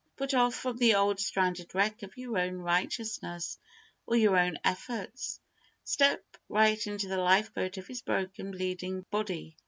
Put off from the old stranded wreck of your own righteousness or your own efforts; step right into the lifeboat of His broken, bleeding body.